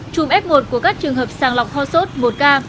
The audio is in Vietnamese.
chùm f một của các trường hợp sàng lọc ho sốt một